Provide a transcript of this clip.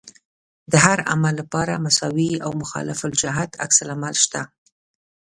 د هر عمل لپاره مساوي او مخالف الجهت عکس العمل شته.